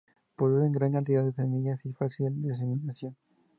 Producen gran cantidad de semillas, de fácil diseminación.